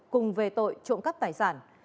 cùng về tội trộm cắp tài sản